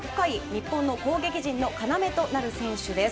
日本の攻撃陣の要となる選手です。